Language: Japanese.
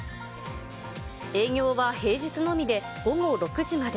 営業は平日のみで午後６時まで。